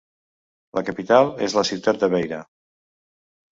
La capital és la ciutat de Beira.